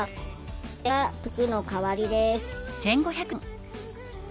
これが靴の代わりです